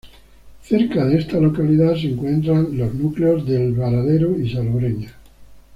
Cerca de esta localidad se encuentran los núcleos de El Varadero y Salobreña.